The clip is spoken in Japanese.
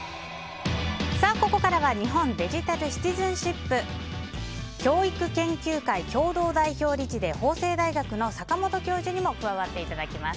ここからは日本デジタル・シティズンシップ教育研究会共同代表理事で法政大学の坂本教授にも加わっていただきます。